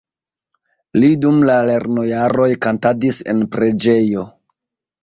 Li dum la lernojaroj kantadis en preĝejo.